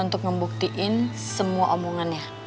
untuk ngebuktiin semua omongannya